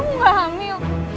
kamu gak hamil